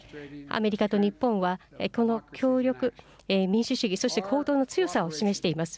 アメリカと日本は、この協力、民主主義、そして行動の強さを示しています。